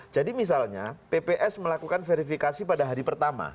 jadi misalnya pps melakukan verifikasi pada hari pertama